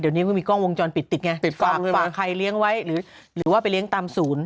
เดี๋ยวนี้ก็มีกล้องวงจรปิดติดไงติดฝากใครเลี้ยงไว้หรือหรือว่าไปเลี้ยงตามศูนย์